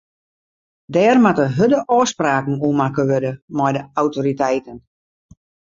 Dêr moatte hurde ôfspraken oer makke wurde mei de autoriteiten.